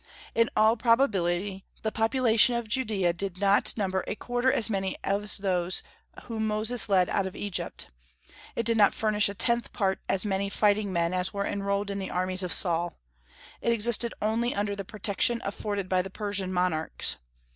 In all probability the population of Judaea did not number a quarter as many as those whom Moses led out of Egypt; it did not furnish a tenth part as many fighting men as were enrolled in the armies of Saul; it existed only under the protection afforded by the Persian monarchs.